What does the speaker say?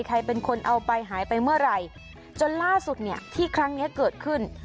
ใครเป็นคนเอาไปหายไปเมื่อไหร่จนล่าสุดเนี่ยที่ครั้งนี้เกิดขึ้น